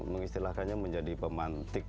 mengistilahkannya menjadi pemantik